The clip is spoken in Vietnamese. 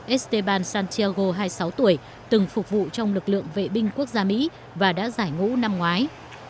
steban santiago hai mươi sáu tuổi từng phục vụ trong lực lượng vệ binh quốc gia mỹ và đã giải ngũ năm ngoái